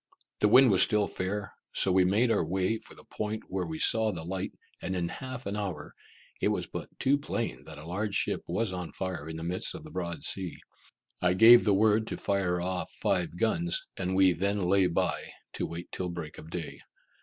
The wind was still fair, so we made our way for the point where we saw the light, and in half an hour, it was but too plain that a large ship was on fire in the midst of the broad sea. I gave the word to fire off five guns, and we then lay by, to wait till break of day.